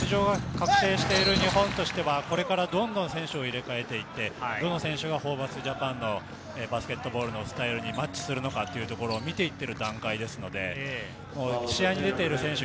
出場が確定している日本としてはこれからどんどん選手を入れ替えていって、どの選手がホーバスＪＡＰＡＮのバスケットボールのスタイルにマッチするのかというところを見て行っている段階ですので、試合に出ている選手